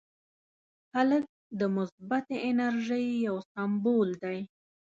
هلک د مثبتې انرژۍ یو سمبول دی.